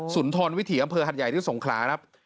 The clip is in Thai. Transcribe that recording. สุนทรวิธีอำเภอหัทใหญ่ที่ส่งขลา